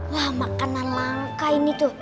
wah makanan langka ini tuh